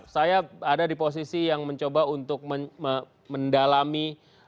saya ingin mendalami